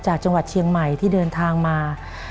จากจังหวัดเชียงใหม่ที่เดินทางมา